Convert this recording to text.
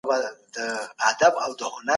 راځئ چې لاسونه ورکړو.